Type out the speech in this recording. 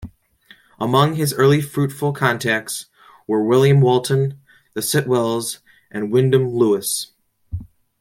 Among his early fruitful contacts were William Walton, the Sitwells, and Wyndham Lewis.